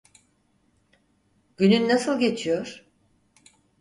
Günün nasıl geçiyor?